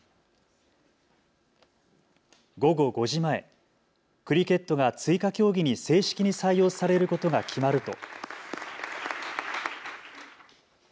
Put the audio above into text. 午後５時前、クリケットが追加競技に正式に採用されることが決まると。